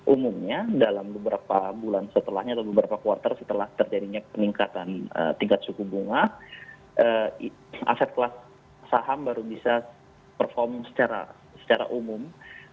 umumnya dalam beberapa bulan setelahnya atau beberapa kuartal setelah terjadinya peningkatan tingkat suku bunga aset kelas saham baru bisa performing secara umum